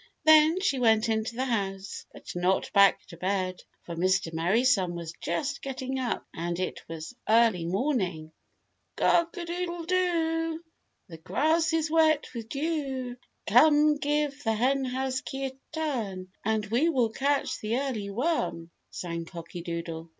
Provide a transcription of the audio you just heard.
Then she went into the house, but not back to bed, for Mr. Merry Sun was just getting up and it was early morning. "Cock a doodle do, The grass is wet with dew. Come, give the Henhouse key a turn And we will catch the early worm," sang Cocky Doodle.